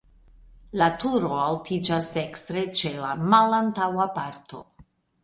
La turo altiĝas dekstre ĉe la malantaŭa parto.